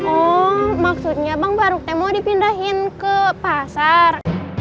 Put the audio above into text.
oh maksudnya bang faruknya mau dipindahin ke pasar